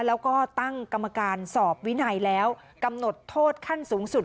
แล้วก็ตั้งกรรมการสอบวินัยแล้วกำหนดโทษขั้นสูงสุด